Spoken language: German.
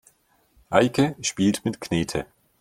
Eike spielt mit Knete.